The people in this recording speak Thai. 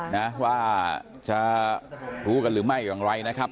น่ะว่าจะครับรู้กันหรือไม่ครับหลังไหลนะครับ